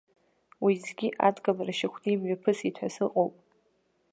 Уеизгьы адкылара шьахәны имҩаԥысит ҳәа сыҟоуп.